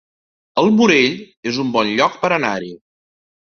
El Morell es un bon lloc per anar-hi